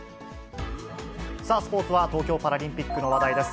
さあスポーツは、東京パラリンピックの話題です。